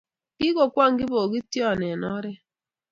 kikokwong kibokition eng oree